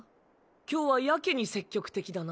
今日はやけに積極的だな。